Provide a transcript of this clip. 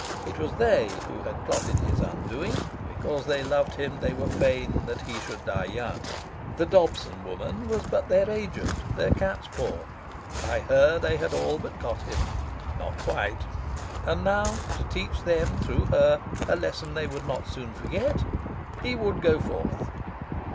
It was they who had plotted his undoing. Because they loved him they were fain that he should die young. The Dobson woman was but their agent, their cat's paw. By her they had all but got him. Not quite! And now, to teach them, through her, a lesson they would not soon forget, he would go forth.